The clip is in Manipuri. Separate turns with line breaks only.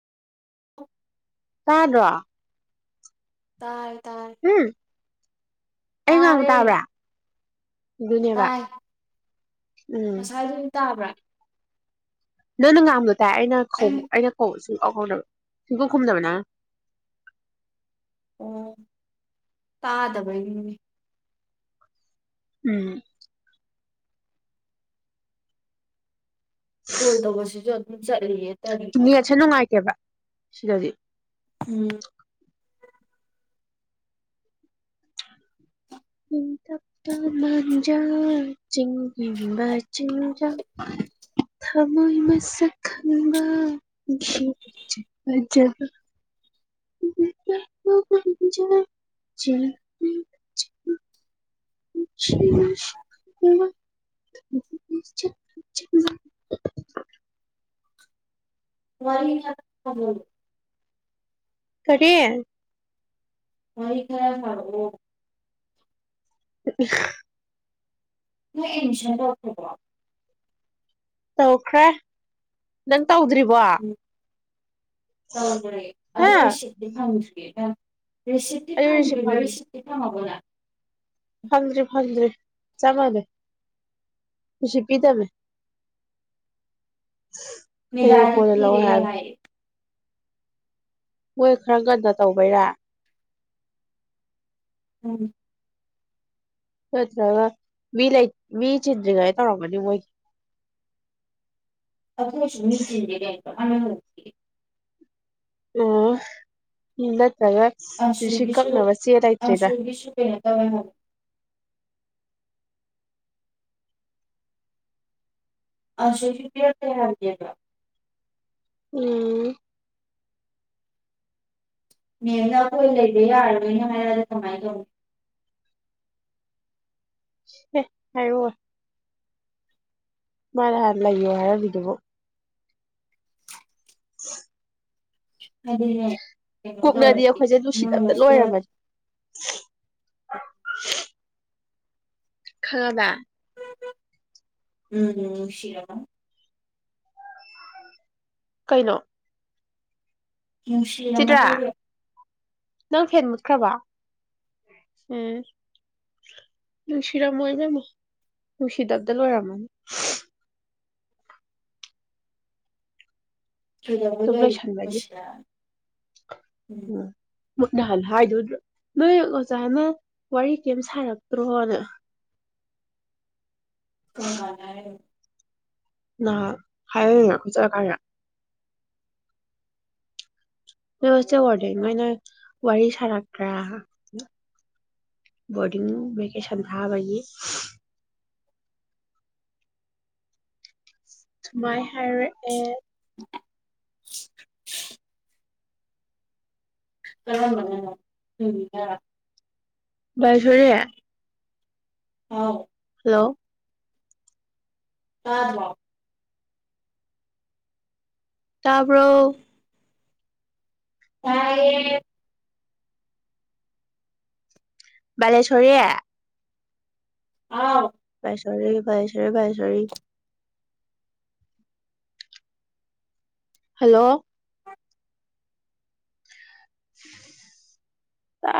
ꯇꯥꯗ꯭ꯔꯣ
ꯇꯥꯏ ꯇꯥꯏ
ꯍꯨꯝ ꯑꯩ ꯉꯥꯡꯕ ꯇꯥꯕ꯭ꯔꯥ ꯗꯨꯅꯦꯕ ꯎꯝ
ꯑꯗꯨꯝ ꯇꯥꯕ꯭ꯔꯥ
ꯅꯪꯅ ꯉꯥꯡꯕꯗꯣ ꯇꯥꯏ ꯑꯩꯅ ꯈꯧ
ꯑꯩ
ꯑꯩꯅ ꯀꯧꯕꯗꯣ ꯁꯨꯡꯍꯧ ꯍꯧꯗꯕ ꯁꯨꯡꯈꯨꯝ ꯈꯨꯝꯗꯕ ꯅꯪꯅ
ꯑꯣ ꯇꯥꯗꯕꯩꯅꯤꯅꯦ
ꯎꯝ
ꯀꯣꯜ ꯇꯧꯕꯁꯤꯁꯨ ꯑꯗꯨꯝ ꯆꯠꯂꯤꯌꯦ ꯇꯜꯂꯤꯕ
ꯅꯦꯠꯁꯦ ꯅꯨꯡꯉꯥꯏꯇꯦꯕ ꯁꯤꯗꯗꯤ
ꯎꯝ
[unintelligible] ꯄꯥ ꯃꯟꯖꯥ ꯆꯤꯡ ꯂꯦꯝꯕ ꯆꯦꯡꯂꯧ ꯊꯃꯣꯏ ꯃꯁꯛ ꯈꯪꯕ [unintelligible] ꯐꯖꯕ ꯀꯔꯤ
ꯋꯥ
ꯀꯔꯤ
ꯍ ꯈꯔ ꯍꯥꯏꯥꯎ ꯅꯣꯏ ꯑꯦꯗꯃꯤꯁꯟ ꯇꯧꯔꯈ꯭ꯔꯕꯣ
ꯇꯧꯈ꯭ꯔꯦ ꯅꯪ ꯇꯧꯗ꯭ꯔꯤꯕꯣ
ꯇꯧꯈ꯭ꯔꯦ
ꯑꯩ
ꯑꯗꯨꯁꯤꯛꯇ ꯐꯪꯗ꯭ꯔꯤꯦꯗ ꯔꯤꯁꯤꯞꯇꯤ
ꯔꯤꯁꯤꯞ
ꯐꯥꯝꯗ꯭ꯕ
ꯐꯪꯗ꯭ꯔꯤ
ꯔꯤꯁꯤꯞꯤ ꯐꯥꯝꯒꯗ
ꯐꯪꯗ꯭ꯔꯤ ꯐꯪꯗ꯭ꯔꯔꯤ ꯆꯞ ꯃꯥꯟꯅꯦ ꯁꯤ ꯄꯤꯗꯃꯦ ꯍꯦ
ꯃꯦꯗꯥꯏꯗꯤ
ꯑꯣꯏ ꯂꯑꯣ
ꯄꯤꯔꯛꯑꯦ
ꯍꯥꯏ
ꯍꯥꯏꯌꯦ
ꯍꯣꯏ ꯈꯔ ꯀꯟꯅꯣ ꯇꯧꯕꯩꯔꯥ
ꯎꯝ
ꯆꯠꯇ꯭ꯔ ꯃꯤ ꯂꯩ ꯃꯤ ꯆꯤꯟꯟ꯭ꯔꯉꯦ ꯇꯧꯔꯣ ꯑꯃꯅꯤꯅꯤ ꯃꯣꯏ
ꯈꯁꯨ ꯃꯤ ꯆꯖꯤꯗꯦ ꯔꯣ ꯑꯃꯅ
ꯎ ꯏꯗ ꯆꯒ
ꯑꯟꯁꯨꯒꯤꯁꯨ ꯑꯟꯁꯨꯒꯤꯁꯨ ꯀꯩꯅꯣ ꯇꯧꯋꯦ ꯍꯥꯏ ꯑꯦ ꯐꯔꯗꯤ꯭ꯔꯣ
ꯎꯝ
ꯃꯗ ꯂꯩꯕ ꯑꯩꯅ ꯃ ꯑꯗꯨ ꯀꯃꯥꯏ ꯇꯧꯅꯤ
ꯍ ꯍꯥꯏꯔ ꯃꯥ ꯍꯥꯔ ꯂꯩ ꯌꯣ ꯍꯥꯏꯔꯕꯤꯗꯨꯕꯨꯣ ꯍ
ꯑꯗꯨꯗ
ꯀꯣꯛꯅꯗꯤ ꯑꯩꯈꯣꯏꯁꯦ ꯨꯁꯤꯗꯕꯇ ꯂꯣꯏꯔꯕꯅꯤ ꯈꯕ
ꯎꯝ ꯎꯝ ꯁꯤꯔꯃ
ꯀꯩꯅꯣ
ꯅꯨꯡꯁꯤ
ꯆꯤꯇ꯭ꯔꯥ
ꯑꯃꯗ
ꯅꯪ ꯐꯦꯟ ꯃꯨꯠꯈ꯭ꯔꯕ ꯎꯝ ꯃꯁꯤꯔ ꯑꯃ ꯑꯣꯏꯔ ꯃꯔꯁꯤꯗ ꯑꯕꯗꯜꯋꯥꯏ ꯔꯍꯃꯟ
ꯀꯩꯗꯧꯕ
ꯑꯗꯨꯝ ꯂꯩ
ꯂꯩꯔꯤꯅꯣ
ꯁꯥꯟꯕꯅꯤ
ꯁꯤꯗ
ꯎꯝ ꯃꯨꯠ ꯅꯍꯜ ꯍꯥꯏꯗꯨ꯭ꯔꯣ ꯅꯣꯏ ꯑꯣꯖꯥꯅ ꯋꯥꯔꯤ ꯀꯔꯤꯝ ꯁꯥꯔꯛꯇ꯭ꯔꯣꯅ
ꯀꯄꯅꯔ
ꯅ ꯍꯥꯏꯔꯅ ꯈꯣꯠꯆꯠꯂꯀꯥꯏꯗ ꯅꯣꯏ ꯍꯁꯦ ꯋꯥꯔꯗ ꯅꯣꯏꯅ ꯋꯥꯔꯤ ꯁꯥꯔꯛꯇ꯭ꯔꯥ ꯕꯣꯔꯗꯤꯡ ꯚꯦꯀꯦꯁꯟ ꯊꯥꯕꯒꯤ ꯁꯨꯃꯥꯏ ꯍꯥꯏꯔ ꯑꯦ
ꯑ ꯎꯝ
ꯥꯏꯖꯔꯤꯌꯥ
ꯑꯥꯎ
ꯍꯜꯂꯣ
ꯑꯥ ꯍ
ꯇꯥꯄꯣ
ꯑ
ꯂꯦꯁꯣꯔꯌꯥ
ꯑꯥꯎ
ꯄꯥꯏꯁꯔꯤ ꯄꯥꯏꯁꯔꯤ ꯄꯥꯏꯁꯔꯤ ꯍꯜꯂꯣ [inaudible] ꯇꯥ